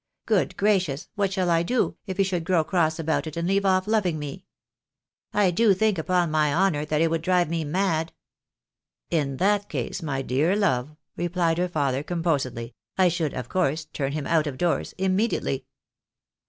Good gracious, what shall I do, if he should grow cross about it and leave off loving me ? I do think, upon my honour, that it would drive me mad." " In that case, my dear love," replied her father, composedly, " I should, of course, turn him out of doors immediately."